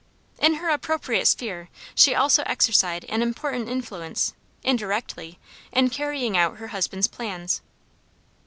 In her appropriate sphere she also exercised an important influence, indirectly, in carrying out her husband's plans.